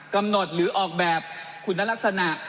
กำหนดหรือออกแบบคุณลักษณะ